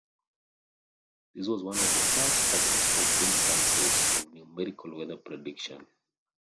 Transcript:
This was one of the first successful instances of numerical weather prediction.